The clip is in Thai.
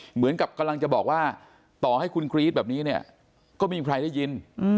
เหมือนกับกำลังจะบอกว่าต่อให้คุณกรี๊ดแบบนี้เนี่ยก็ไม่มีใครได้ยิน